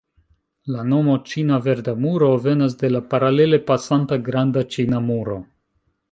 La nomo Ĉina Verda Muro venas de la paralele pasanta Granda Ĉina Muro.